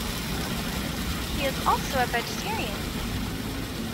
He is also a vegetarian.